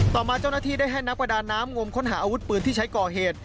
ต่อมาเจ้าหน้าที่ได้ให้นักประดาน้ำงมค้นหาอาวุธปืนที่ใช้ก่อเหตุ